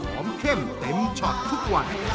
เข้มเต็มช็อตทุกวัน